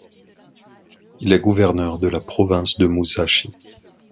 Il est gouverneur de la province de Musashi.